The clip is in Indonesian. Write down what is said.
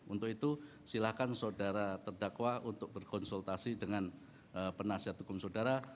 untuk itu silakan saudara terdakwa untuk berkonsultasi dengan penasihat hukum saudara